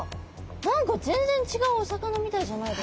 何か全然違うお魚みたいじゃないですか？